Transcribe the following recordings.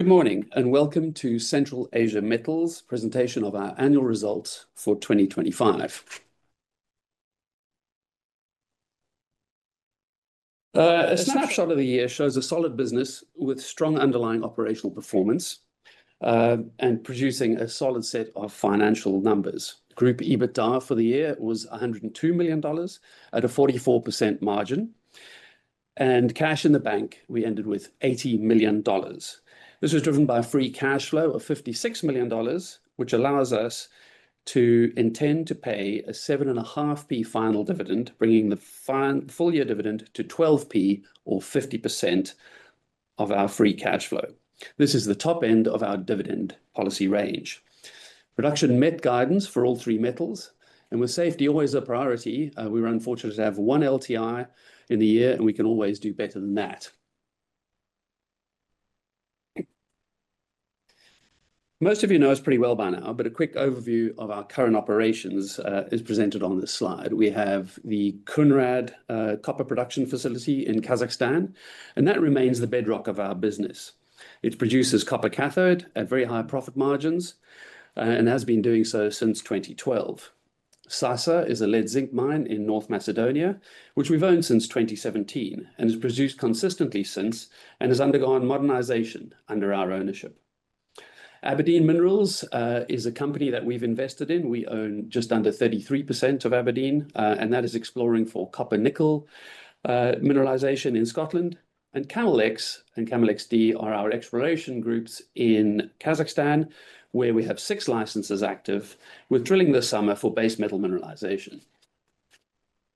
Good morning, and welcome to Central Asia Metals presentation of our annual results for 2025. A snapshot of the year shows a solid business with strong underlying operational performance, and producing a solid set of financial numbers. Group EBITDA for the year was $102 million at a 44% margin, and cash in the bank, we ended with $80 million. This was driven by a Free Cash Flow of $56 million, which allows us to intend to pay a 7.5 final dividend, bringing the full year dividend to 12 or 50% of our Free Cash Flow. This is the top end of our dividend policy range. Production met guidance for all three metals, and with safety always a priority, we were unfortunate to have one LTI in the year, and we can always do better than that. Most of you know us pretty well by now, but a quick overview of our current operations is presented on this slide. We have the Kounrad copper production facility in Kazakhstan, and that remains the bedrock of our business. It produces copper cathode at very high profit margins, and has been doing so since 2012. Sasa is a lead-zinc mine in North Macedonia, which we've owned since 2017 and has produced consistently since and has undergone modernization under our ownership. Aberdeen Minerals is a company that we've invested in. We own just under 33% of Aberdeen, and that is exploring for copper nickel mineralization in Scotland and CAML X and CAML XD are our exploration groups in Kazakhstan, where we have six licenses active with drilling this summer for base metal mineralization.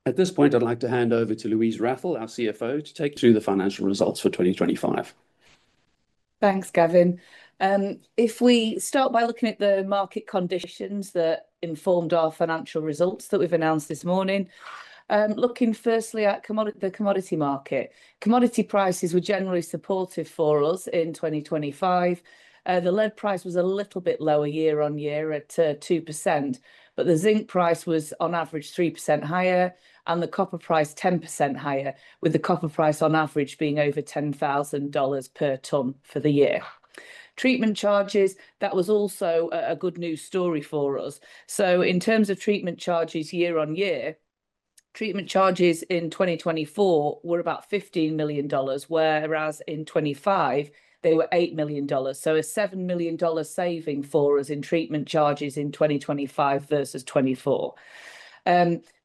At this point, I'd like to hand over to Louise Wrathall, our CFO, to take you through the financial results for 2025. Thanks, Gavin. If we start by looking at the market conditions that informed our financial results that we've announced this morning. Looking firstly at the commodity market. Commodity prices were generally supportive for us in 2025. The lead price was a little bit lower year on year at 2%, but the zinc price was on average 3% higher and the copper price 10% higher, with the copper price on average being over $10,000 per ton for the year. Treatment charges, that was also a good news story for us. In terms of treatment charges year on year, treatment charges in 2024 were about $15 million, whereas in 2025, they were $8 million. A $7 million saving for us in treatment charges in 2025 versus 2024.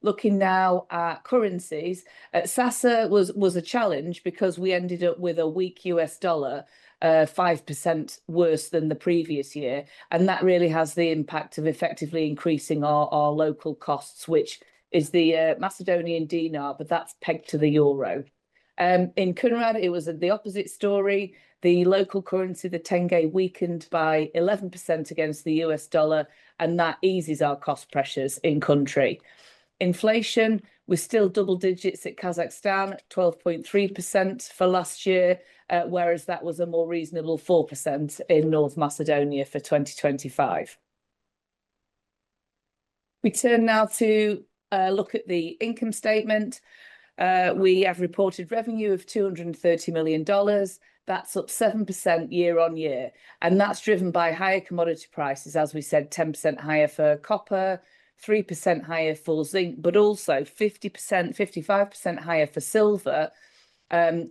Looking now at currencies. Sasa was a challenge because we ended up with a weak U.S. dollar, 5% worse than the previous year, and that really has the impact of effectively increasing our local costs, which is the Macedonian denar, but that's pegged to the euro. In Kounrad, it was the opposite story. The local currency, the tenge, weakened by 11% against the U.S. dollar, and that eases our cost pressures in country. Inflation was still double digits in Kazakhstan, 12.3% for last year, whereas that was a more reasonable 4% in North Macedonia for 2025. We turn now to look at the income statement. We have reported revenue of $230 million. That's up 7% year-on-year, and that's driven by higher commodity prices. As we said, 10% higher for copper, 3% higher for zinc, but also 50%, 55% higher for silver,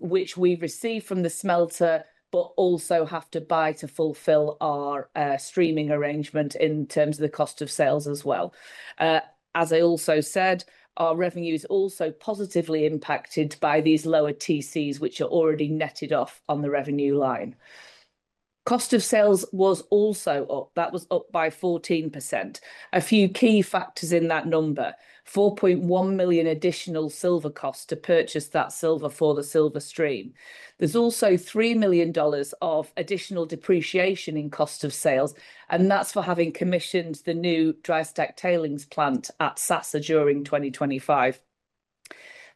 which we receive from the smelter, but also have to buy to fulfill our, streaming arrangement in terms of the cost of sales as well. As I also said, our revenue is also positively impacted by these lower TCs, which are already netted off on the revenue line. Cost of sales was also up. That was up by 14%. A few key factors in that number, $4.1 million additional silver costs to purchase that silver for the silver stream. There's also $3 million of additional depreciation in cost of sales, and that's for having commissioned the new dry stack tailings plant at Sasa during 2025.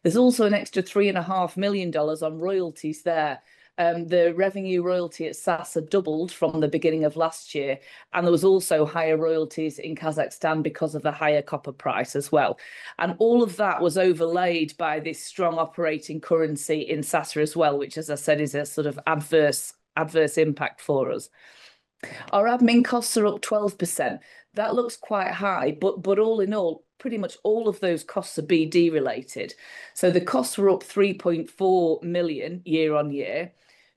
There's also an extra $3.5 million on royalties there. The revenue royalty at Sasa doubled from the beginning of last year, and there was also higher royalties in Kazakhstan because of the higher copper price as well. All of that was overlaid by this strong operating currency in Sasa as well, which, as I said, is a sort of adverse impact for us. Our admin costs are up 12%. That looks quite high, but all in all, pretty much all of those costs are BD related. The costs were up $3.4 million year-on-year,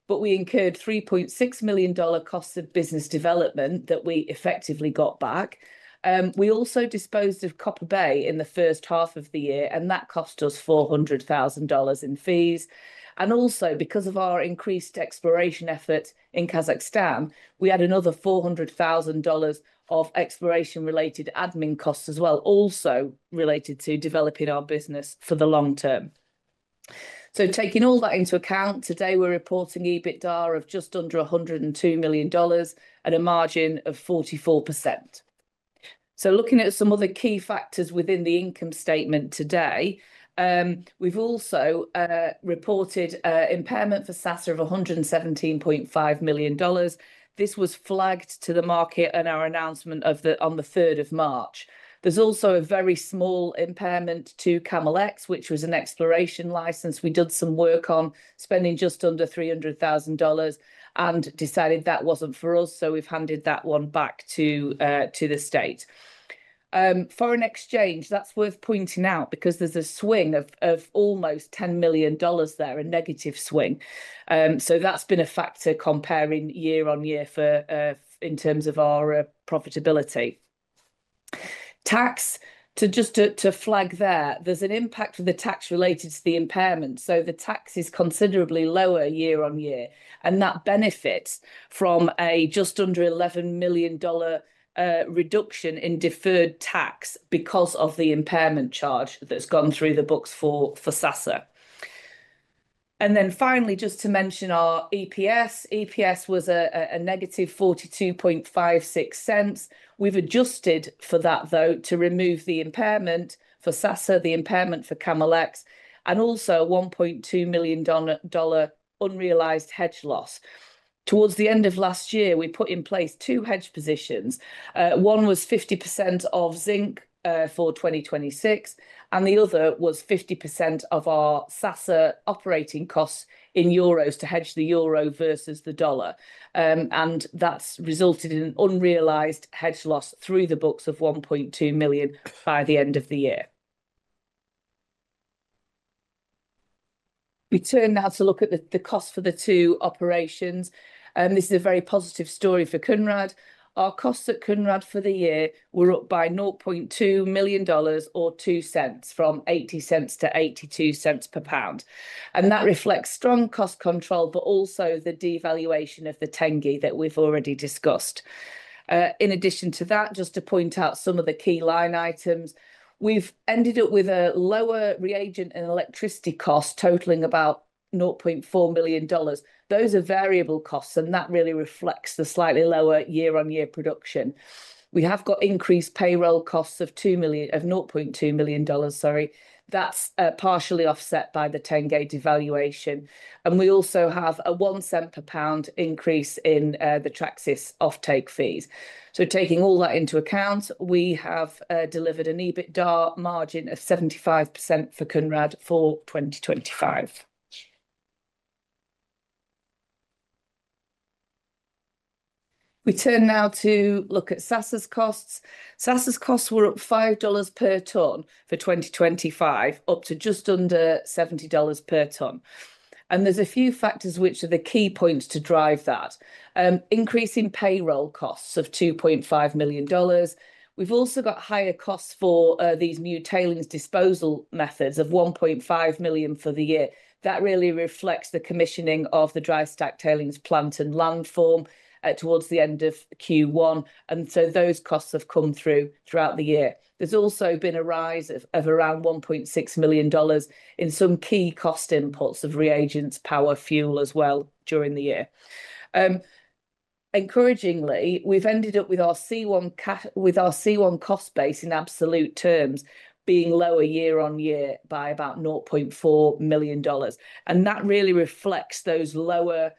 but we incurred $3.6 million costs of business development that we effectively got back. We also disposed of Copper Bay in the first half of the year, and that cost us $400,000 in fees. Also, because of our increased exploration efforts in Kazakhstan, we had another $400,000 of exploration-related admin costs as well, also related to developing our business for the long term. Taking all that into account, today we're reporting EBITDA of just under $102 million at a margin of 44%. Looking at some other key factors within the income statement today, we've also reported impairment for Sasa of $117.5 million. This was flagged to the market in our announcement on the 3rd of March. There's also a very small impairment to CAML X, which was an exploration license. We did some work on spending just under $300,000 and decided that wasn't for us, so we've handed that one back to the state. Foreign exchange, that's worth pointing out because there's a swing of almost $10 million there, a negative swing. So that's been a factor comparing year-on-year in terms of our profitability. Tax, to flag there's an impact for the tax related to the impairment. So the tax is considerably lower year-on-year, and that benefits from a just under $11 million reduction in deferred tax because of the impairment charge that's gone through the books for Sasa. Then finally, just to mention our EPS. EPS was a negative $0.4256. We've adjusted for that though to remove the impairment for Sasa, the impairment for CAML X, and also $1.2 million unrealized hedge loss. Towards the end of last year, we put in place two hedge positions. One was 50% of zinc for 2026, and the other was 50% of our Sasa operating costs in euros to hedge the euro versus the dollar. That's resulted in an unrealized hedge loss through the books of $1.2 million by the end of the year. We turn now to look at the cost for the two operations. This is a very positive story for Kounrad. Our costs at Kounrad for the year were up by $0.2 million, or $0.02, from $0.80-$0.82 per pound. That reflects strong cost control, but also the devaluation of the tenge that we've already discussed. In addition to that, just to point out some of the key line items, we've ended up with a lower reagent and electricity cost totaling about $0.4 million. Those are variable costs, and that really reflects the slightly lower year-on-year production. We have got increased payroll costs of $0.2 million, sorry. That's partially offset by the tenge devaluation. We also have a $0.01 per pound increase in the Traxys offtake fees. Taking all that into account, we have delivered an EBITDA margin of 75% for Kounrad for 2025. We turn now to look at Sasa's costs. Sasa's costs were up $5 per ton for 2025, up to just under $70 per ton. There's a few factors which are the key points to drive that. Increase in payroll costs of $2.5 million. We've also got higher costs for these new tailings disposal methods of $1.5 million for the year. That really reflects the commissioning of the dry stack tailings plant and landform towards the end of Q1, and so those costs have come through throughout the year. There's also been a rise of around $1.6 million in some key cost inputs of reagents, power, fuel as well during the year. Encouragingly, we've ended up with our C1 with our C1 cost base in absolute terms being lower year on year by about $0.4 million. That really reflects those lower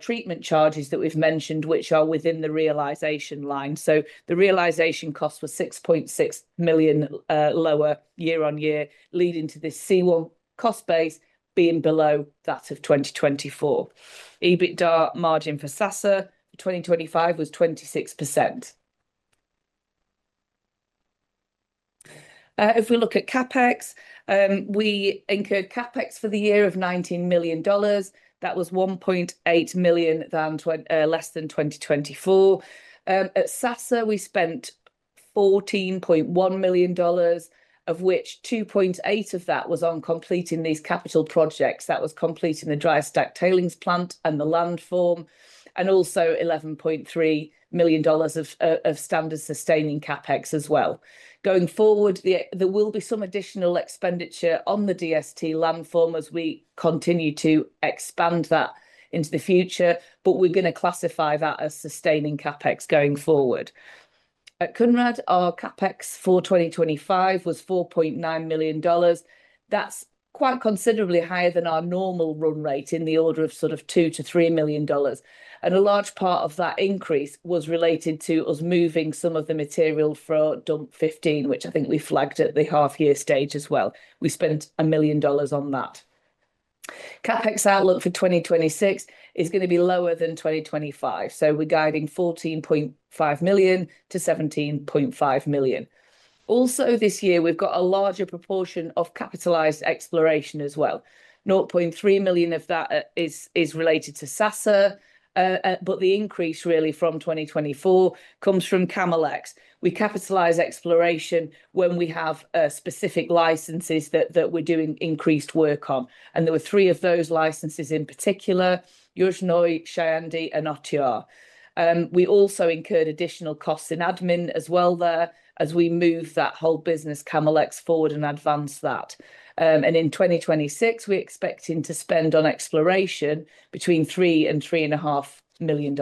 treatment charges that we've mentioned, which are within the realization line. The realization cost was $6.6 million lower year-on-year, leading to this C1 cost base being below that of 2024. EBITDA margin for Sasa for 2025 was 26%. If we look at CapEx, we incurred CapEx for the year of $19 million. That was $1.8 million less than 2024. At Sasa, we spent $14.1 million, of which two point eight of that was on completing these capital projects. That was completing the dry stack tailings plant and the landform, and also $11.3 million of standard sustaining CapEx as well. Going forward, there will be some additional expenditure on the DST landform as we continue to expand that into the future, but we're gonna classify that as sustaining CapEx going forward. At Kounrad, our CapEx for 2025 was $4.9 million. That's quite considerably higher than our normal run rate in the order of sort of $2 million-$3 million. A large part of that increase was related to us moving some of the material for dump fifteen, which I think we flagged at the half year stage as well. We spent $1 million on that. CapEx outlook for 2026 is gonna be lower than 2025, so we're guiding $14.5 million-$17.5 million. Also this year, we've got a larger proportion of capitalized exploration as well. $0.3 million of that is related to Sasa, but the increase really from 2024 comes from CAML X. We capitalize exploration when we have specific licenses that we're doing increased work on, and there were three of those licenses in particular, Yuzhnoye, Shayandey, and Otyrar. We also incurred additional costs in admin as well as we move that whole business, CAML X, forward and advance that. In 2026, we're expecting to spend on exploration between $3 million and $3.5 million.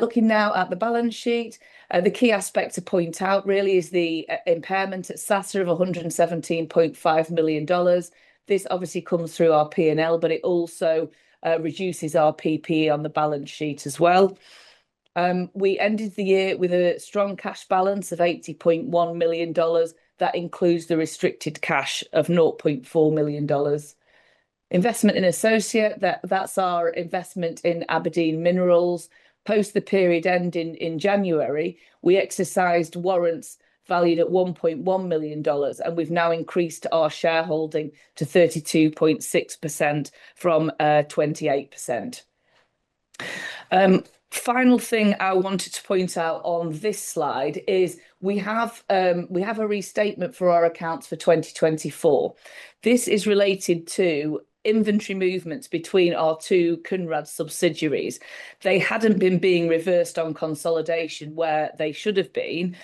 Looking now at the balance sheet, the key aspect to point out really is the impairment at Sasa of $117.5 million. This obviously comes through our P&L, but it also reduces our PP&E on the balance sheet as well. We ended the year with a strong cash balance of $80.1 million. That includes the restricted cash of $0.4 million. Investment in associate, that's our investment in Aberdeen Minerals. Post the period ending in January, we exercised warrants valued at $1.1 million, and we've now increased our shareholding to 32.6% from 28%. Final thing I wanted to point out on this slide is we have a restatement for our accounts for 2024. This is related to inventory movements between our two Kounrad subsidiaries. They hadn't been being reversed on consolidation where they should have been.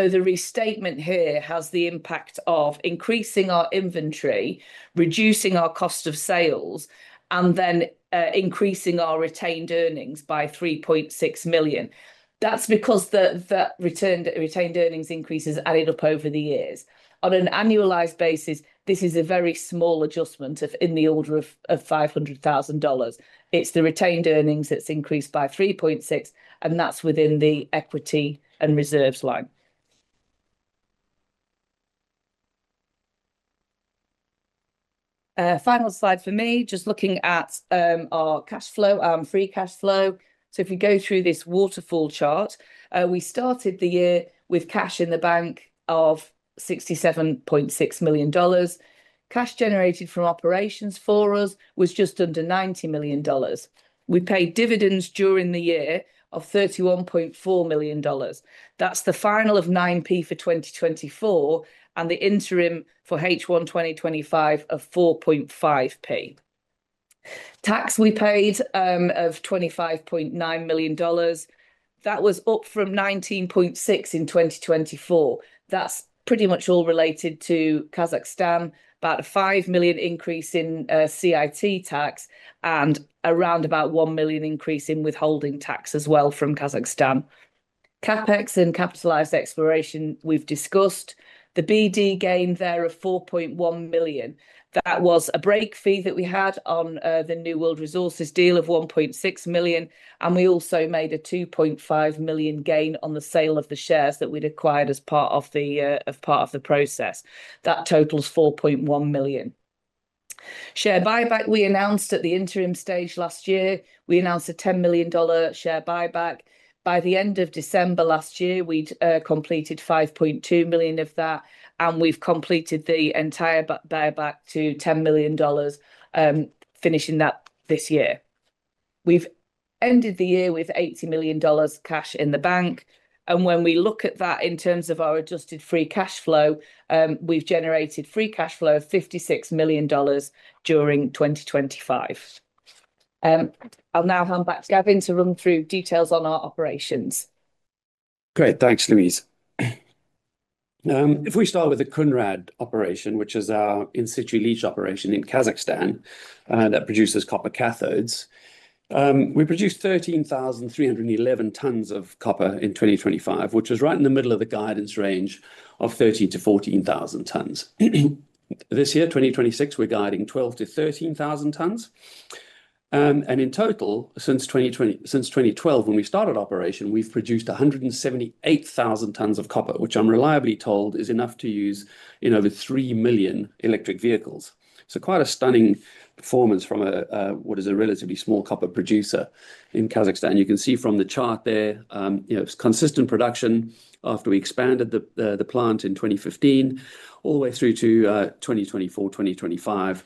The restatement here has the impact of increasing our inventory, reducing our cost of sales, and then increasing our retained earnings by $3.6 million. That's because the retained earnings increase has added up over the years. On an annualized basis, this is a very small adjustment of, in the order of $500,000. It's the retained earnings that's increased by 3.6, and that's within the equity and reserves line. Final slide for me, just looking at our cash flow, Free Cash Flow. If you go through this waterfall chart, we started the year with cash in the bank of $67.6 million. Cash generated from operations for us was just under $90 million. We paid dividends during the year of $31.4 million. That's the final of 9p for 2024 and the interim for H1 2025 of 4.5p. Tax we paid of $25.9 million. That was up from $19.6 million in 2024. That's pretty much all related to Kazakhstan. About a $5 million increase in CIT tax and around about $1 million increase in withholding tax as well from Kazakhstan. CapEx and capitalized exploration, we've discussed. The BD gain there of $4.1 million, that was a break fee that we had on the New World Resources deal of $1.6 million, and we also made a $2.5 million gain on the sale of the shares that we'd acquired as part of the of part of the process. That totals $4.1 million. Share buyback we announced at the interim stage last year. We announced a $10 million share buyback. By the end of December last year, we'd completed $5.2 million of that, and we've completed the entire buyback to $10 million, finishing that this year. We've ended the year with $80 million cash in the bank, and when we look at that in terms of our Adjusted Free Cash Flow, we've generated Free Cash Flow of $56 million during 2025. I'll now hand back to Gavin to run through details on our operations. Great. Thanks, Louise. If we start with the Kounrad operation, which is our in-situ leach operation in Kazakhstan, that produces copper cathodes. We produced 13,311 tons of copper in 2025, which was right in the middle of the guidance range of 13,000-14,000 tons. This year, 2026, we're guiding 12,000-13,000 tons. In total, since 2012 when we started operation, we've produced 178,000 tons of copper, which I'm reliably told is enough to use in over 3 million electric vehicles. Quite a stunning performance from what is a relatively small copper producer in Kazakhstan. You can see from the chart there, you know, consistent production after we expanded the plant in 2015 all the way through to 2024, 2025.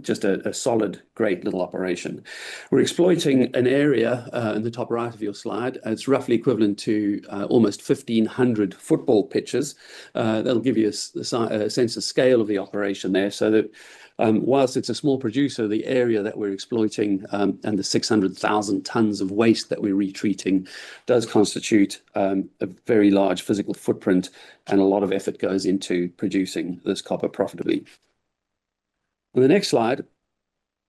Just a solid great little operation. We're exploiting an area in the top right of your slide, and it's roughly equivalent to almost 1,500 football pitches. That'll give you a sense of scale of the operation there. That, while it's a small producer, the area that we're exploiting and the 600,000 tons of waste that we're retreating does constitute a very large physical footprint, and a lot of effort goes into producing this copper profitably. On the next slide,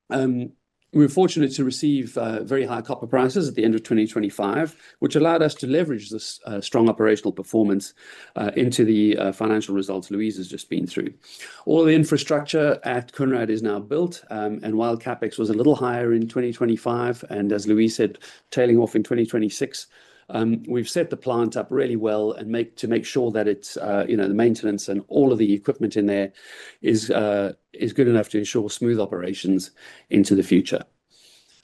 we were fortunate to receive very high copper prices at the end of 2025, which allowed us to leverage this strong operational performance into the financial results Louise has just been through. All the infrastructure at Kounrad is now built, and while CapEx was a little higher in 2025, and as Louise said, tailing off in 2026, we've set the plant up really well to make sure that it's, you know, the maintenance and all of the equipment in there is good enough to ensure smooth operations into the future.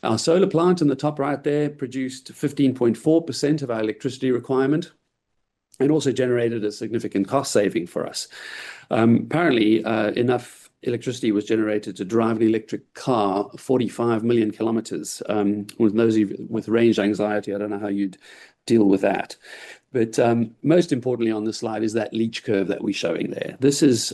Our solar plant in the top right there produced 15.4% of our electricity requirement and also generated a significant cost saving for us. Apparently, enough electricity was generated to drive an electric car 45,000,000 km. With those of you with range anxiety, I don't know how you'd deal with that. Most importantly on this slide is that leach curve that we're showing there. This is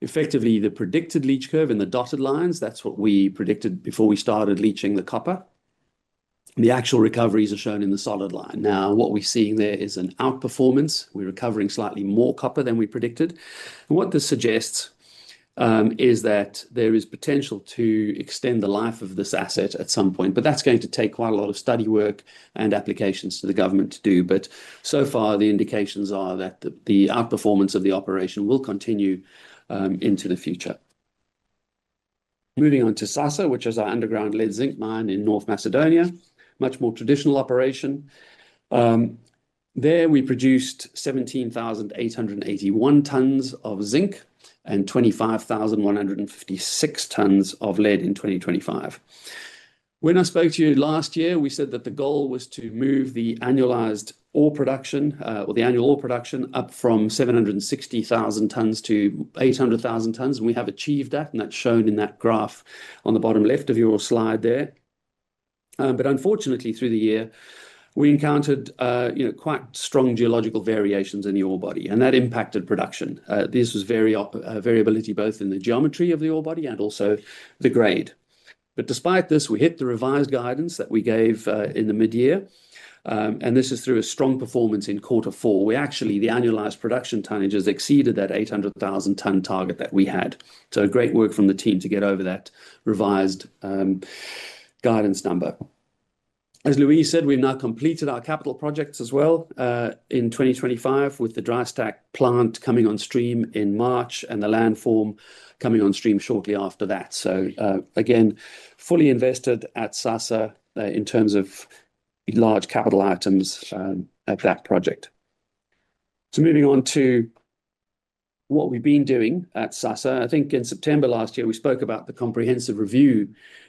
effectively the predicted leach curve in the dotted lines. That's what we predicted before we started leaching the copper. The actual recoveries are shown in the solid line. Now, what we're seeing there is an outperformance. We're recovering slightly more copper than we predicted. And what this suggests is that there is potential to extend the life of this asset at some point, but that's going to take quite a lot of study work and applications to the government to do. So far, the indications are that the outperformance of the operation will continue into the future. Moving on to Sasa, which is our underground lead-zinc mine in North Macedonia. Much more traditional operation. There we produced 17,881 tons of zinc and 25,156 tons of lead in 2025. When I spoke to you last year, we said that the goal was to move the annualized ore production, or the annual ore production up from 760,000 tons-800,000 tons. We have achieved that, and that's shown in that graph on the bottom left of your slide there. Unfortunately, through the year, we encountered, you know, quite strong geological variations in the ore body, and that impacted production. This was variability both in the geometry of the ore body and also the grade. Despite this, we hit the revised guidance that we gave, in the mid-year. This is through a strong performance in quarter four. The annualized production tonnages exceeded that 800,000 tonne target that we had. Great work from the team to get over that revised guidance number. As Louise said, we've now completed our capital projects as well in 2025, with the dry stack plant coming on stream in March and the landform coming on stream shortly after that. Again, fully invested at Sasa in terms of large capital items at that project. Moving on to what we've been doing at Sasa. I think in September last year, we spoke about the comprehensive review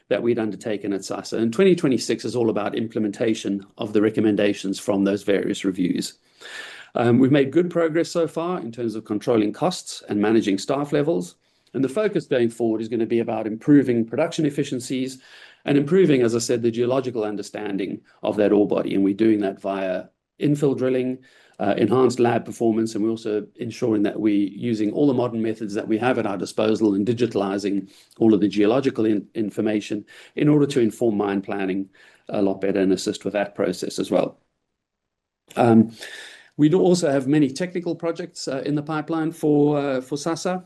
that we'd undertaken at Sasa. 2026 is all about implementation of the recommendations from those various reviews. We've made good progress so far in terms of controlling costs and managing staff levels, and the focus going forward is gonna be about improving production efficiencies and improving, as I said, the geological understanding of that ore body. We're doing that via infill drilling, enhanced lab performance, and we're also ensuring that we're using all the modern methods that we have at our disposal and digitalizing all of the geological information in order to inform mine planning a lot better and assist with that process as well. We do also have many technical projects in the pipeline for Sasa.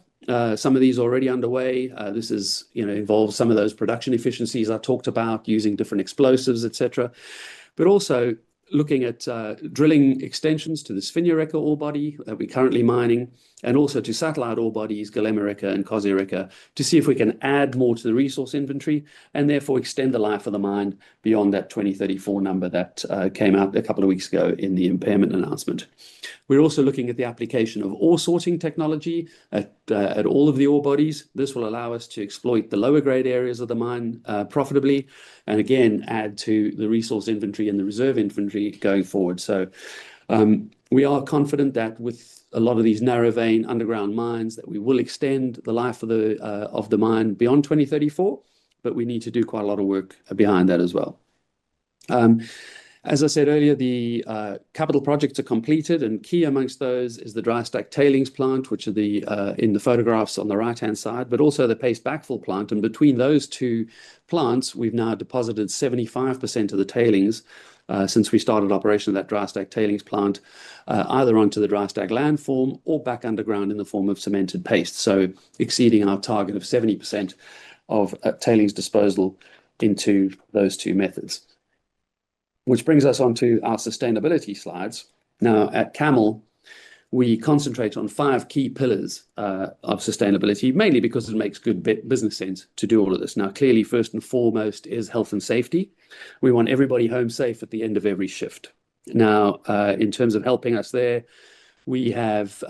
Some of these are already underway. This has, you know, involved some of those production efficiencies I talked about using different explosives, etc. Also looking at drilling extensions to the Svinja Reka ore body that we're currently mining and also to satellite ore bodies, Golema Reka and Kozja Reka, to see if we can add more to the resource inventory and therefore extend the life of the mine beyond that 2034 number that came out a couple of weeks ago in the impairment announcement. We're also looking at the application of ore sorting technology at all of the ore bodies. This will allow us to exploit the lower grade areas of the mine profitably and again add to the resource inventory and the reserve inventory going forward. We are confident that with a lot of these narrow vein underground mines, that we will extend the life of the mine beyond 2034, but we need to do quite a lot of work behind that as well. As I said earlier, the capital projects are completed, and key amongst those is the dry stack tailings plant, which are there in the photographs on the right-hand side, but also the paste backfill plant. Between those two plants, we've now deposited 75% of the tailings since we started operation of that dry stack tailings plant either onto the dry stack landform or back underground in the form of cemented paste. Exceeding our target of 70% of tailings disposal into those two methods. Which brings us onto our sustainability slides. Now, at CAML, we concentrate on five key pillars of sustainability, mainly because it makes good business sense to do all of this. Now, clearly, first and foremost is health and safety. We want everybody home safe at the end of every shift. Now, in terms of helping us there, we have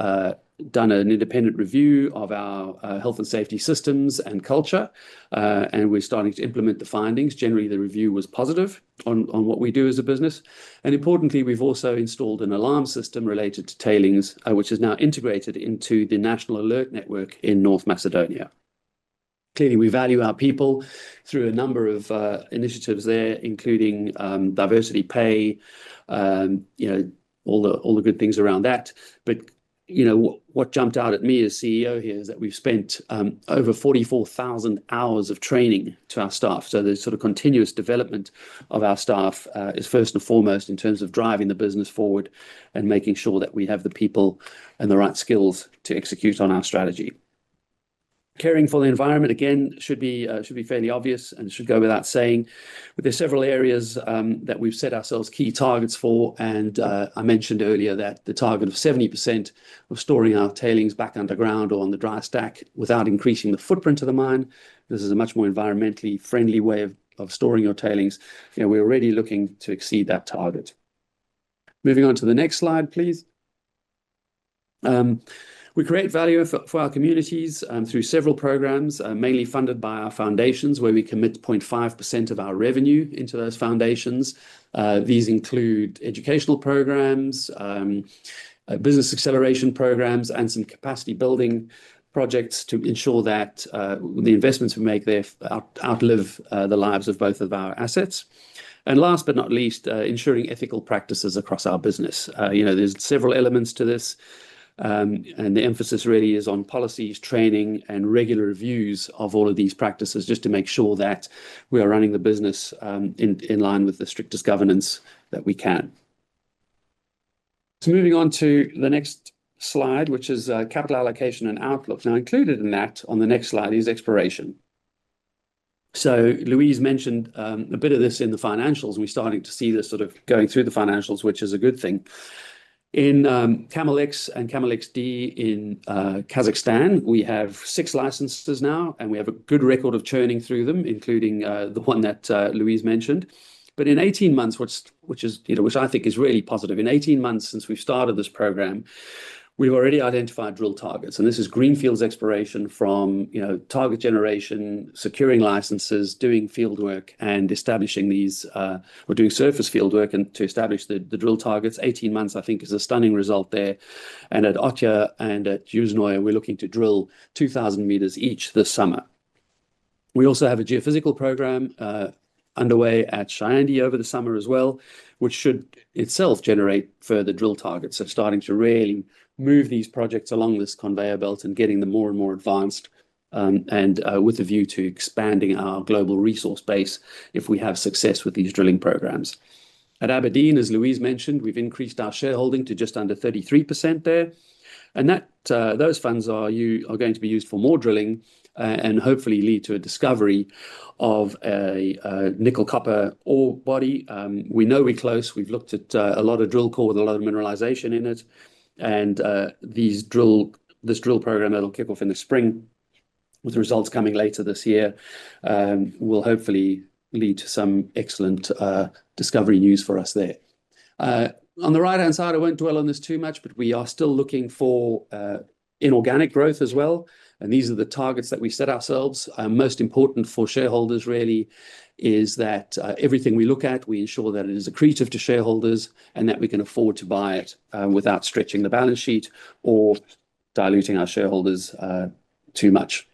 done an independent review of our health and safety systems and culture, and we're starting to implement the findings. Generally, the review was positive on what we do as a business, and importantly, we've also installed an alarm system related to tailings, which is now integrated into the National Alert Network in North Macedonia. Clearly, we value our people through a number of initiatives there, including diversity pay, you know, all the good things around that. What jumped out at me as CEO here is that we've spent over 44,000-hours of training to our staff. The sort of continuous development of our staff is first and foremost in terms of driving the business forward and making sure that we have the people and the right skills to execute on our strategy. Caring for the environment, again, should be fairly obvious and should go without saying. There are several areas that we've set ourselves key targets for, and I mentioned earlier that the target of 70% of storing our tailings back underground or on the dry stack without increasing the footprint of the mine. This is a much more environmentally friendly way of storing your tailings. You know, we're already looking to exceed that target. Moving on to the next slide, please. We create value for our communities through several programs, mainly funded by our foundations, where we commit 0.5% of our revenue into those foundations. These include educational programs, business acceleration programs, and some capacity-building projects to ensure that the investments we make there outlive the lives of both of our assets. Last but not least, ensuring ethical practices across our business. You know, there's several elements to this, and the emphasis really is on policies, training, and regular reviews of all of these practices just to make sure that we are running the business in line with the strictest governance that we can. Moving on to the next slide, which is capital allocation and outlook. Now, included in that on the next slide is exploration. Louise mentioned a bit of this in the financials, and we're starting to see this sort of going through the financials, which is a good thing. In CAML X and CAML XD in Kazakhstan, we have six licenses now, and we have a good record of churning through them, including the one that Louise mentioned. But in 18-months, which is, you know, which I think is really positive. In 18-months since we've started this program, we've already identified drill targets, and this is greenfields exploration from, you know, target generation, securing licenses, doing fieldwork, and establishing these. We're doing surface fieldwork and to establish the drill targets. 18-months I think is a stunning result there. and at Yuzhnoye, we're looking to drill 2,000 meters each this summer. We also have a geophysical program underway at Shayandey over the summer as well, which should itself generate further drill targets. Starting to really move these projects along this conveyor belt and getting them more and more advanced, with a view to expanding our global resource base if we have success with these drilling programs. At Aberdeen, as Louise mentioned, we've increased our shareholding to just under 33% there. Those funds are going to be used for more drilling and hopefully lead to a discovery of a nickel-copper ore body. We know we're close. We've looked at a lot of drill core with a lot of mineralization in it. This drill program that'll kick off in the spring with results coming later this year will hopefully lead to some excellent discovery news for us there. On the right-hand side, I won't dwell on this too much, but we are still looking for inorganic growth as well, and these are the targets that we've set ourselves. Most important for shareholders really is that everything we look at, we ensure that it is accretive to shareholders and that we can afford to buy it without stretching the balance sheet or diluting our shareholders too much.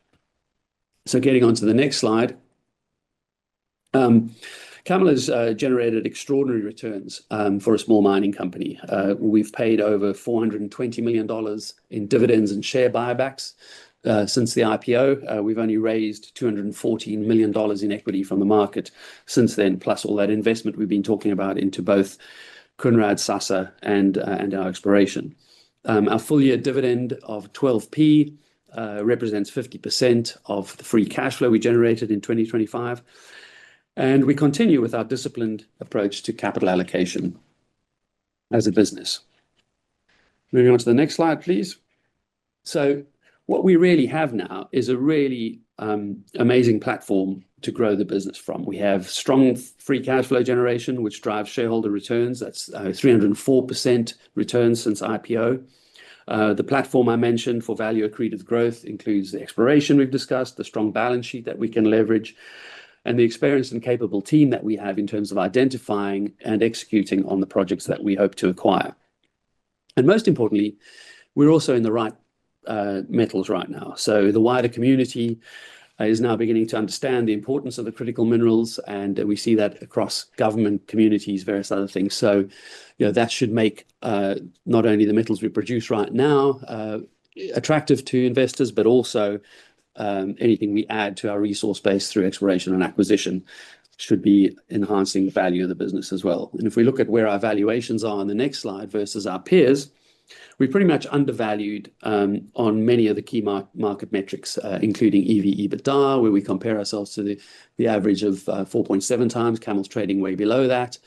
Getting onto the next slide. CAML has generated extraordinary returns for a small mining company. We've paid over $420 million in dividends and share buybacks since the IPO. We've only raised $214 million in equity from the market since then, plus all that investment we've been talking about into both Kounrad, Sasa, and our exploration. Our full-year dividend of 12 represents 50% of the Free Cash flow we generated in 2025, and we continue with our disciplined approach to capital allocation as a business. Moving on to the next slide, please. What we really have now is a really amazing platform to grow the business from. We have strong Free Cash Flow generation, which drives shareholder returns. That's 304% return since IPO. The platform I mentioned for value accretive growth includes the exploration we've discussed, the strong balance sheet that we can leverage, and the experienced and capable team that we have in terms of identifying and executing on the projects that we hope to acquire. Most importantly, we're also in the right metals right now. The wider community is now beginning to understand the importance of the critical minerals, and we see that across government, communities, various other things. You know, that should make not only the metals we produce right now attractive to investors, but also anything we add to our resource base through exploration and acquisition should be enhancing the value of the business as well. If we look at where our valuations are on the next slide versus our peers, we're pretty much undervalued on many of the key market metrics, including EV/EBITDA, where we compare ourselves to the average of 4.7x. CAML's trading way below that.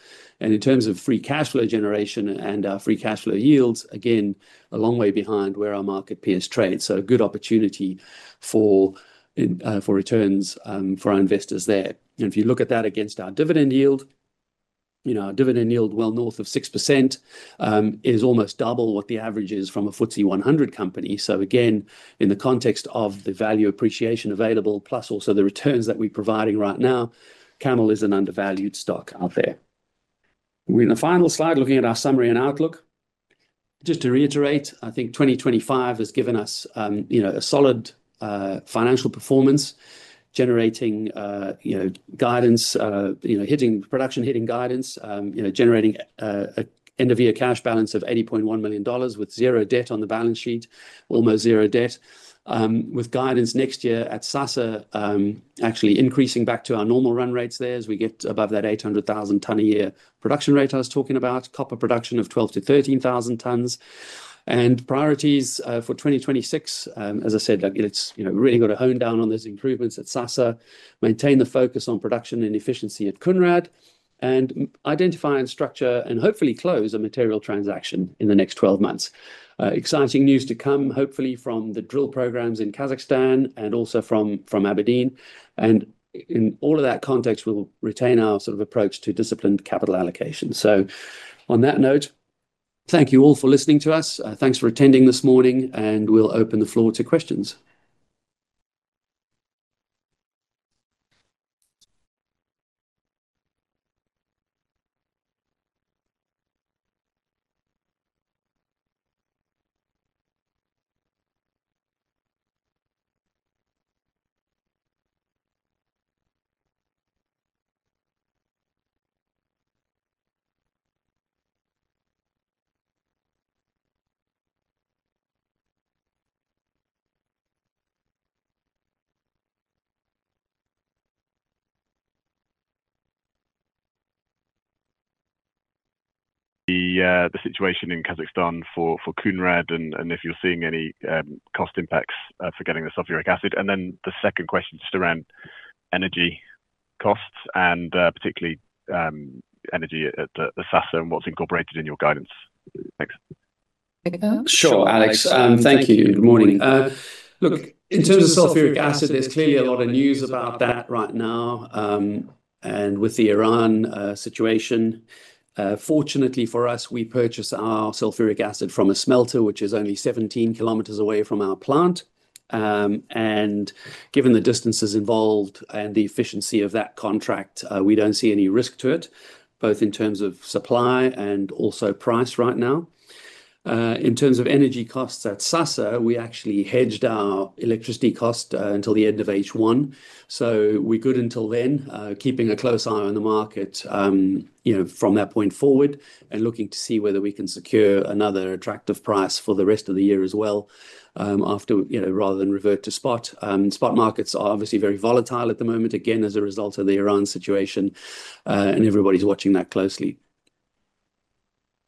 In terms of Free Cash Flow generation and our Free Cash Flow yields, again, a long way behind where our market peers trade. A good opportunity for returns for our investors there. If you look at that against our dividend yield, you know, our dividend yield well north of 6% is almost double what the average is from a FTSE 100 company. Again, in the context of the value appreciation available, plus also the returns that we're providing right now, CAML is an undervalued stock out there. We're in the final slide looking at our summary and outlook. Just to reiterate, I think 2025 has given us, you know, a solid, financial performance generating, you know, guidance, you know, production hitting guidance, you know, generating an end-of-year cash balance of $80.1 million with zero debt on the balance sheet, almost zero debt. With guidance next year at Sasa, actually increasing back to our normal run rates there as we get above that 800,000 tons a year production rate I was talking about, copper production of 12,000 tons-13,000 tons. Priorities for 2026, as I said, like it's, you know, really got to hone down on those improvements at Sasa, maintain the focus on production and efficiency at Kounrad, and identify and structure and hopefully close a material transaction in the next 12-months. Exciting news to come, hopefully from the drill programs in Kazakhstan and also from Aberdeen. In all of that context, we'll retain our sort of approach to disciplined capital allocation. On that note, thank you all for listening to us. Thanks for attending this morning, and we'll open the floor to questions. The situation in Kazakhstan for Kounrad, and if you're seeing any cost impacts for getting the sulfuric acid? Then the second question is just around energy costs and, particularly, energy at the Sasa and what's incorporated in your guidance? Thanks. Take that. Sure, Alex. Thank you. Good morning. Look, in terms of sulfuric acid, there's clearly a lot of news about that right now, and with the Iran situation. Fortunately for us, we purchase our sulfuric acid from a smelter which is only 17 km away from our plant. Given the distances involved and the efficiency of that contract, we don't see any risk to it, both in terms of supply and also price right now. In terms of energy costs at Sasa, we actually hedged our electricity cost until the end of H1, so we're good until then. Keeping a close eye on the market, you know, from that point forward and looking to see whether we can secure another attractive price for the rest of the year as well, after, you know, rather than revert to spot. Spot markets are obviously very volatile at the moment, again, as a result of the Iran situation, and everybody's watching that closely.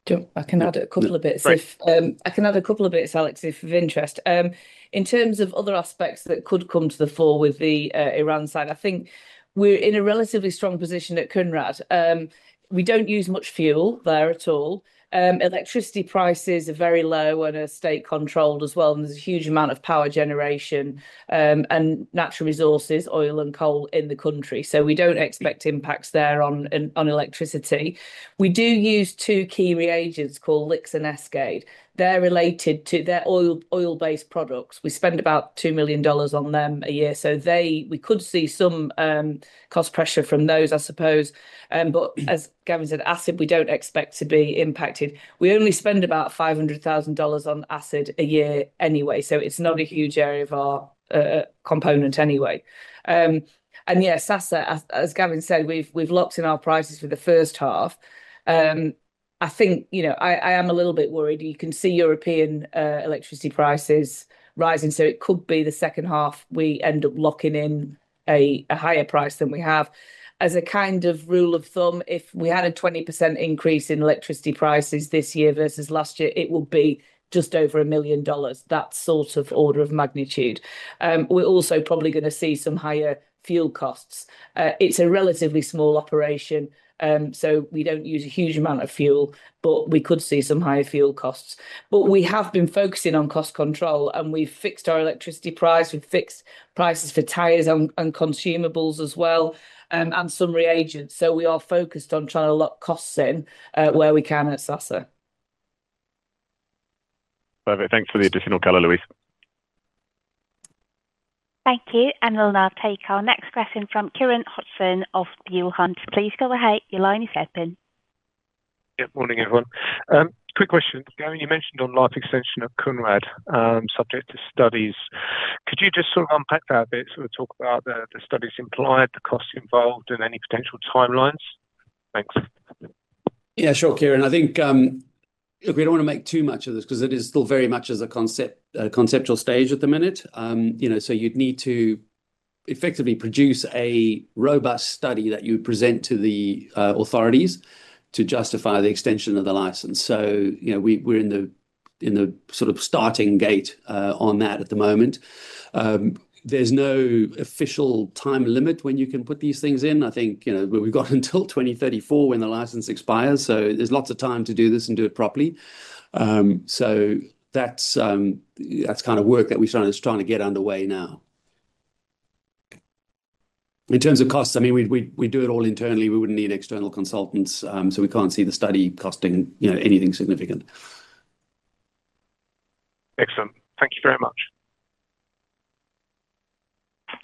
Sure. I can add a couple of bits. Great. I can add a couple of bits, Alex, if of interest. In terms of other aspects that could come to the fore with the Iran side, I think we're in a relatively strong position at Kounrad. We don't use much fuel there at all. Electricity prices are very low and are state controlled as well, and there's a huge amount of power generation and natural resources, oil and coal in the country, so we don't expect impacts there on electricity. We do use two key reagents called LIX and Escaid. They're oil-based products. We spend about $2 million on them a year. So they, we could see some cost pressure from those, I suppose. But as Gavin said, acid, we don't expect to be impacted. We only spend about $500,000 on acid a year anyway, so it's not a huge area of our component anyway. Yeah, Sasa, as Gavin said, we've locked in our prices for the first half. I think, you know, I am a little bit worried. You can see European electricity prices rising, so it could be the second half we end up locking in a higher price than we have. As a kind of rule of thumb, if we had a 20% increase in electricity prices this year versus last year, it would be just over $1 million. That sort of order of magnitude. We're also probably gonna see some higher fuel costs. It's a relatively small operation, so we don't use a huge amount of fuel, but we could see some higher fuel costs. We have been focusing on cost control, and we've fixed our electricity price. We've fixed prices for tires and consumables as well, and some reagents. We are focused on trying to lock costs in, where we can at Sasa. Perfect. Thanks for the additional color, Louise. Thank you. We'll now take our next question from Kieron Hodgson of Peel Hunt. Please go ahead. Your line is open. Yeah. Morning, everyone. Quick question. Gavin, you mentioned on life extension at Kounrad, subject to studies. Could you just sort of unpack that a bit, sort of talk about the studies implied, the costs involved and any potential timelines? Thanks. Yeah, sure, Kieron. I think, look, we don't wanna make too much of this 'cause it is still very much as a concept, a conceptual stage at the minute. You know, so you'd need to effectively produce a robust study that you would present to the authorities to justify the extension of the license. So, you know, we're in the sort of starting gate on that at the moment. There's no official time limit when you can put these things in. I think, you know, we've got until 2034 when the license expires, so there's lots of time to do this and do it properly. So that's kind of work that we're starting, trying to get underway now. In terms of costs, I mean, we do it all internally. We wouldn't need external consultants, so we can't see the study costing, you know, anything significant. Excellent. Thank you very much.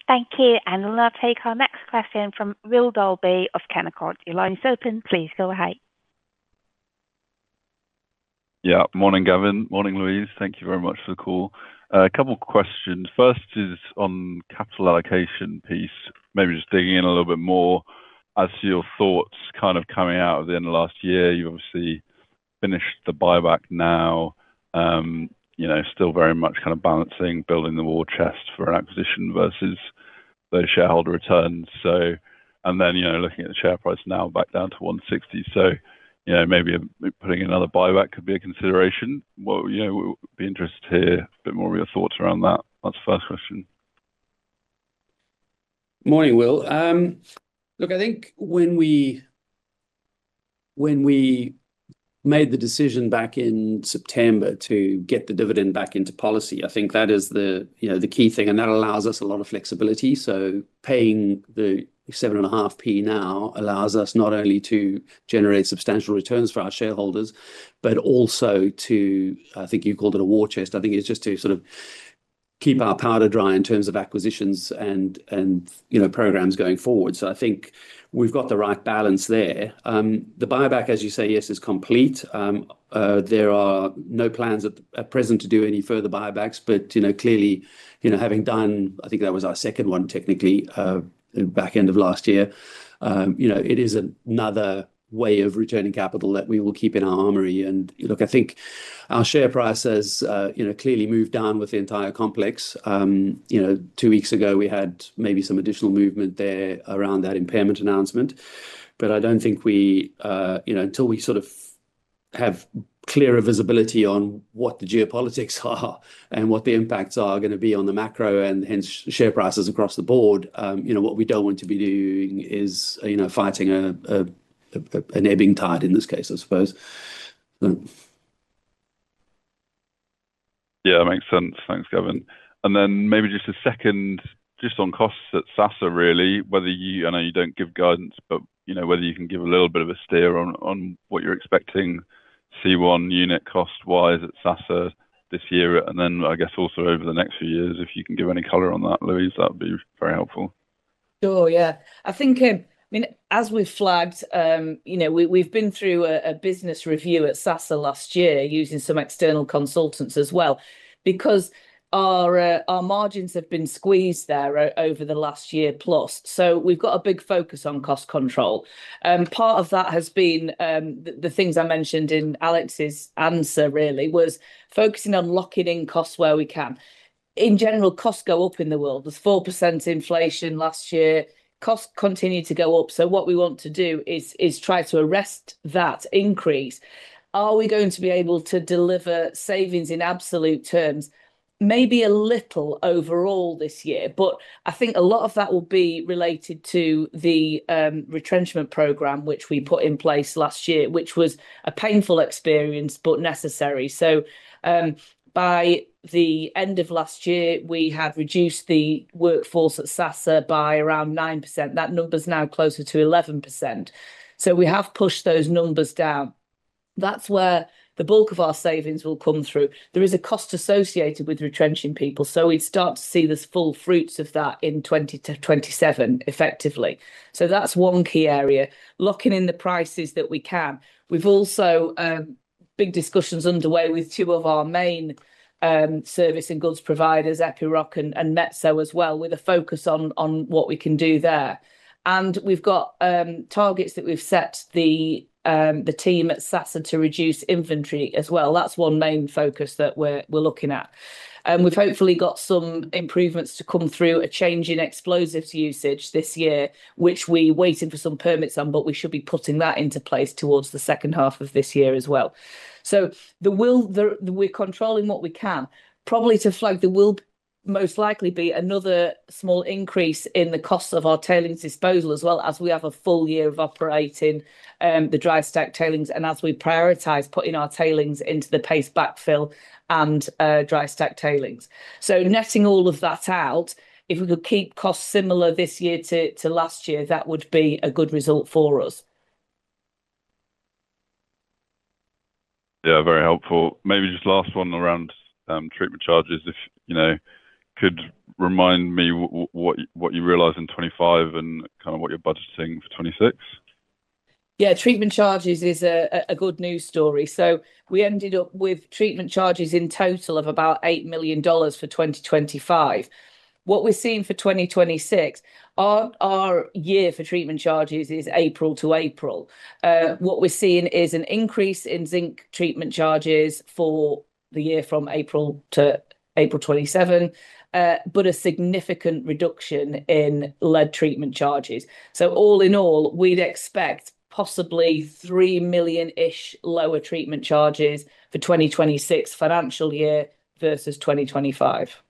Thank you. We'll now take our next question from Will Dalby of Canaccord. Your line is open. Please go ahead. Yeah. Morning, Gavin. Morning, Louise. Thank you very much for the call. A couple of questions. First is on capital allocation piece. Maybe just digging in a little bit more as to your thoughts kind of coming out of the end of last year. You obviously finished the buyback now. You know, still very much kind of balancing building the war chest for an acquisition versus those shareholder returns. You know, looking at the share price now back down to 160, so, you know, maybe putting another buyback could be a consideration. What, you know, we'd be interested to hear a bit more of your thoughts around that. That's the first question. Morning, Will. Look, I think when we made the decision back in September to get the dividend back into policy, I think that is the, you know, the key thing, and that allows us a lot of flexibility. Paying the 7.5 now allows us not only to generate substantial returns for our shareholders, but also to, I think you called it a war chest. I think it's just to sort of keep our powder dry in terms of acquisitions and, you know, programs going forward. I think we've got the right balance there. The buyback, as you say, yes, is complete. There are no plans at present to do any further buybacks but, you know, clearly, you know, having done, I think that was our second one technically, back end of last year. You know, it is another way of returning capital that we will keep in our armory. Look, I think our share price has, you know, clearly moved down with the entire complex. You know, two weeks ago, we had maybe some additional movement there around that impairment announcement. I don't think we, you know, until we have clearer visibility on what the geopolitics are and what the impacts are gonna be on the macro and share prices across the board. You know, what we don't want to be doing is, you know, fighting an ebbing tide in this case, I suppose. Yeah, makes sense. Thanks, Gavin. Maybe just a second just on costs at Sasa really, whether you, I know you don't give guidance, but, you know, whether you can give a little bit of a steer on what you're expecting C1 unit cost-wise at Sasa this year. I guess also over the next few years, if you can give any color on that, Louise, that would be very helpful. Sure. Yeah. I think, I mean, as we've flagged, you know, we've been through a business review at Sasa last year using some external consultants as well because our margins have been squeezed there over the last year plus. We've got a big focus on cost control. Part of that has been the things I mentioned in Alex's answer really, was focusing on locking in costs where we can. In general, costs go up in the world. There's 4% inflation last year. Costs continue to go up, so what we want to do is try to arrest that increase. Are we going to be able to deliver savings in absolute terms? Maybe a little overall this year, but I think a lot of that will be related to the retrenchment program which we put in place last year, which was a painful experience but necessary. By the end of last year, we had reduced the workforce at Sasa by around 9%. That number's now closer to 11%. We have pushed those numbers down. That's where the bulk of our savings will come through. There is a cost associated with retrenching people, so we'd start to see the full fruits of that in 2020-2027 effectively. That's one key area, locking in the prices that we can. We've also big discussions underway with two of our main service and goods providers, Epiroc and Metso as well, with a focus on what we can do there. We've got targets that we've set the team at Sasa to reduce inventory as well. That's one main focus that we're looking at. We've hopefully got some improvements to come through, a change in explosives usage this year, which we're waiting for some permits on, but we should be putting that into place towards the second half of this year as well. We're controlling what we can. Probably to flag, there will most likely be another small increase in the cost of our tailings disposal as well, as we have a full year of operating the dry stack tailings, and as we prioritize putting our tailings into the paste backfill and dry stack tailings. Netting all of that out, if we could keep costs similar this year to last year, that would be a good result for us. Yeah, very helpful. Maybe just last one around treatment charges. If you could, you know, remind me what you realized in 2025 and kind of what you're budgeting for 2026. Treatment charges is a good news story. We ended up with treatment charges in total of about $8 million for 2025. What we're seeing for 2026, our year for treatment charges is April to April. What we're seeing is an increase in zinc treatment charges for the year from April to April 2027, but a significant reduction in lead treatment charges. All in all, we'd expect possibly $3 million-ish lower treatment charges for 2026 financial year versus 2025.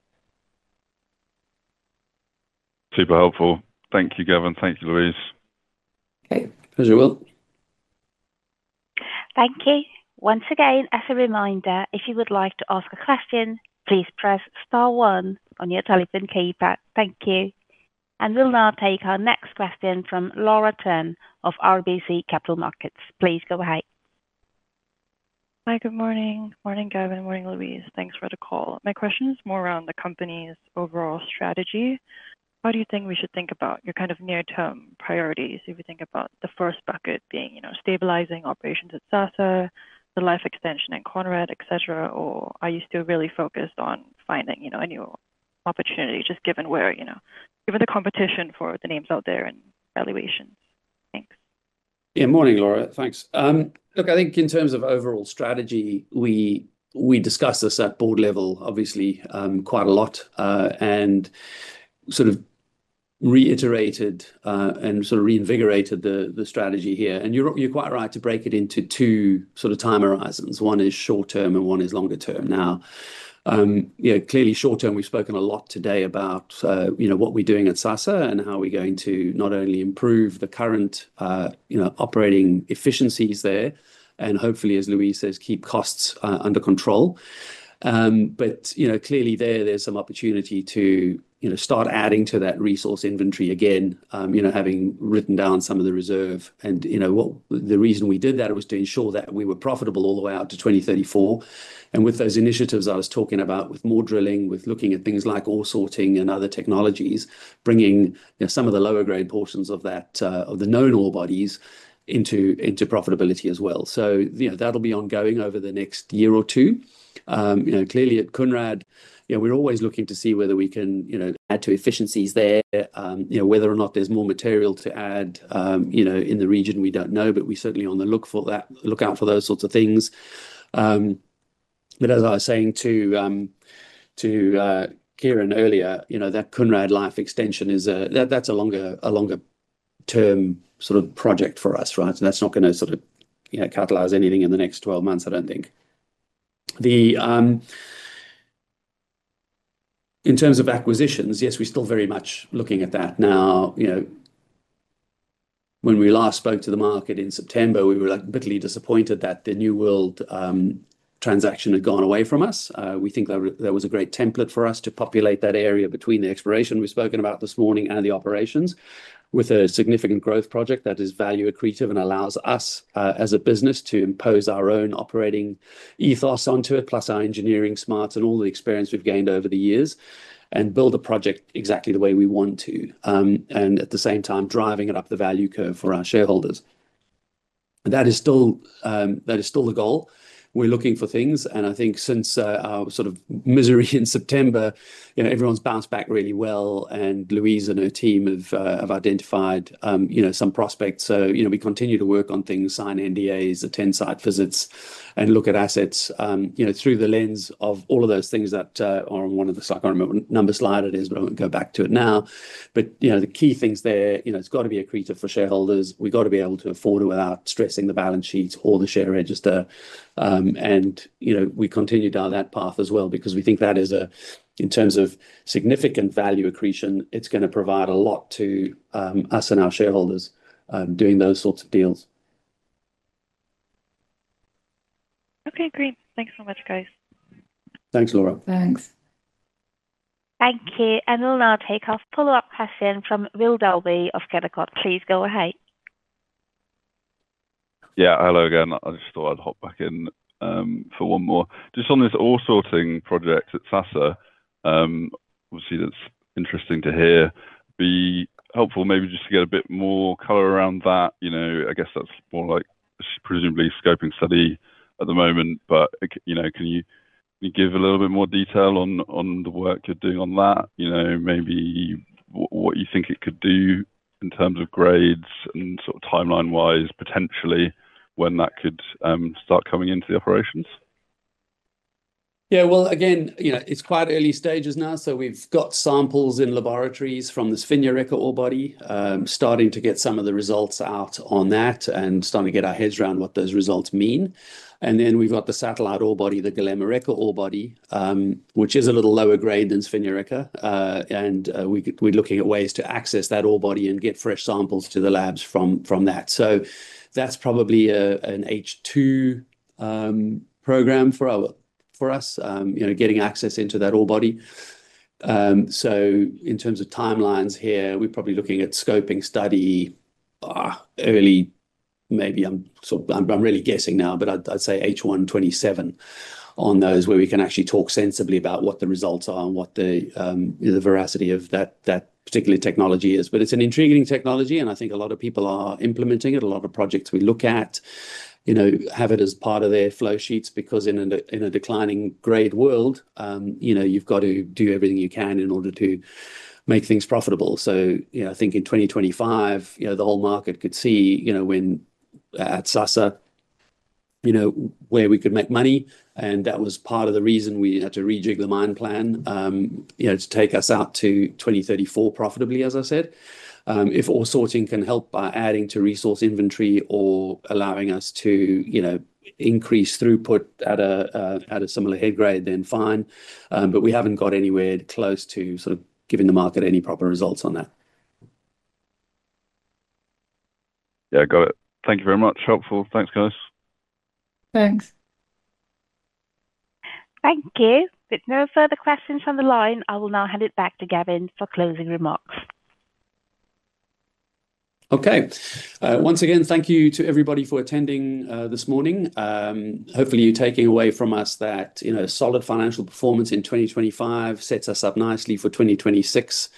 Super helpful. Thank you, Gavin. Thank you, Louise. Okay. Pleasure, Will. Thank you. Once again, as a reminder, if you would like to ask a question, please press star one on your telephone keypad. Thank you. We'll now take our next question from Laura Chan of RBC Capital Markets. Please go ahead. Hi. Good morning. Morning, Gavin. Morning, Louise. Thanks for the call. My question is more around the company's overall strategy. How do you think we should think about your kind of near-term priorities? If we think about the first bucket being, you know, stabilizing operations at Sasa, the life extension at Kounrad, etc, or are you still really focused on finding, you know, a new opportunity just given where, you know, given the competition for the mines out there and valuations? Thanks. Morning, Laura. Thanks. Look, I think in terms of overall strategy, we discussed this at board level obviously, quite a lot, and sort of reiterated and sort of reinvigorated the strategy here. You're quite right to break it into two sort of time horizons. One is short term and one is longer term. Now, you know, clearly short term, we've spoken a lot today about, you know, what we're doing at Sasa and how we're going to not only improve the current, you know, operating efficiencies there, and hopefully, as Louise says, keep costs under control. But, you know, clearly there's some opportunity to, you know, start adding to that resource inventory again, you know, having written down some of the reserve. You know, well, the reason we did that was to ensure that we were profitable all the way out to 2034. With those initiatives I was talking about, with more drilling, with looking at things like ore sorting and other technologies, bringing, you know, some of the lower grade portions of that, of the known ore bodies into profitability as well. You know, that'll be ongoing over the next year or two. You know, clearly at Kounrad, you know, we're always looking to see whether we can, you know, add to efficiencies there. You know, whether or not there's more material to add, you know, in the region, we don't know, but we're certainly on the lookout for those sorts of things. As I was saying to Kieron earlier, you know, that Kounrad life extension that's a longer term sort of project for us, right? That's not gonna sort of, you know, catalyze anything in the next 12-months, I don't think. In terms of acquisitions, yes, we're still very much looking at that now. You know, when we last spoke to the market in September, we were, like, bitterly disappointed that the New World Resources transaction had gone away from us. We think that was a great template for us to populate that area between the exploration we've spoken about this morning and the operations with a significant growth project that is value accretive and allows us, as a business to impose our own operating ethos onto it, plus our engineering smarts and all the experience we've gained over the years and build a project exactly the way we want to. At the same time driving it up the value curve for our shareholders. That is still the goal. We're looking for things, and I think since our sort of misery in September, everyone's bounced back really well. Louise and her team have identified some prospects. You know, we continue to work on things, sign NDAs, attend site visits, and look at assets, you know, through the lens of all of those things that are on one of the. I can't remember what number slide it is, but I won't go back to it now. You know, the key things there, you know, it's got to be accretive for shareholders. We've got to be able to afford it without stressing the balance sheets or the share register. You know, we continue down that path as well because we think that is a, in terms of significant value accretion, it's gonna provide a lot to us and our shareholders doing those sorts of deals. Okay, great. Thanks so much, guys. Thanks, Laura. Thanks. Thank you. We'll now take our follow-up question from Will Dalby of Canaccord. Please go ahead. Yeah, hello again. I just thought I'd hop back in for one more. Just on this ore sorting project at Sasa, obviously that's interesting to hear. Be helpful maybe just to get a bit more color around that. You know, I guess that's more like presumably scoping study at the moment, but, you know, can you give a little bit more detail on the work you're doing on that? You know, maybe what you think it could do in terms of grades and sort of timeline-wise, potentially when that could start coming into the operations? Yeah. Well, again, you know, it's quite early stages now. We've got samples in laboratories from the Svinja Reka ore body. Starting to get some of the results out on that and starting to get our heads around what those results mean. And then we've got the satellite ore body, the Golema Reka ore body, which is a little lower grade than Svinja Reka. And we're looking at ways to access that ore body and get fresh samples to the labs from that. That's probably an H2 program for us. You know, getting access into that ore body. In terms of timelines here, we're probably looking at scoping study early maybe. I'm really guessing now, but I'd say H1 2027 on those where we can actually talk sensibly about what the results are and what the veracity of that particular technology is. But it's an intriguing technology, and I think a lot of people are implementing it. A lot of projects we look at, you know, have it as part of their flow sheets because in a declining grade world, you know, you've got to do everything you can in order to make things profitable. You know, I think in 2025, you know, the whole market could see, you know, when at Sasa, you know, where we could make money. That was part of the reason we had to rejig the mine plan, you know, to take us out to 2034 profitably, as I said. If ore sorting can help by adding to resource inventory or allowing us to, you know, increase throughput at a similar head grade, then fine. But we haven't got anywhere close to sort of giving the market any proper results on that. Yeah, got it. Thank you very much. Helpful. Thanks, guys. Thanks. Thank you. With no further questions on the line, I will now hand it back to Gavin for closing remarks. Okay. Once again, thank you to everybody for attending this morning. Hopefully, you're taking away from us that, you know, solid financial performance in 2025 sets us up nicely for 2026.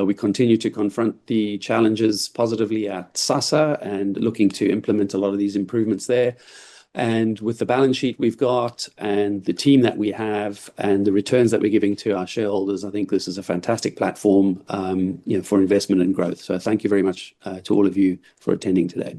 We continue to confront the challenges positively at Sasa and looking to implement a lot of these improvements there. With the balance sheet we've got and the team that we have and the returns that we're giving to our shareholders, I think this is a fantastic platform, you know, for investment and growth. Thank you very much to all of you for attending today.